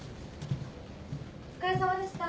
お疲れさまでした。